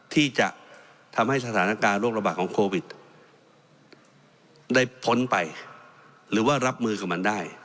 ที่จะทำให้สถานการณ์โรคระบาดของโควิดได้พ้นไปหรือว่ารับมือกับมันได้